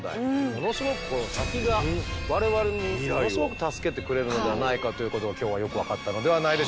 ものすごく先が我々にものすごく助けてくれるのではないかということが今日はよく分かったのではないでしょうか。